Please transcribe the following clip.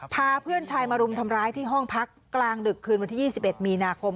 พาเพื่อนชายมารุมทำร้ายที่ห้องพักกลางดึกคืนวันที่๒๑มีนาคม